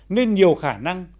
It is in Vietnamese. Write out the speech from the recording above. nên nhiều khả năng